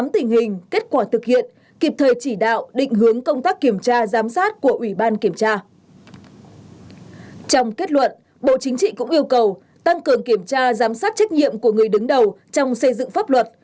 trong kết luận bộ chính trị cũng yêu cầu tăng cường kiểm tra giám sát trách nhiệm của người đứng đầu trong xây dựng pháp luật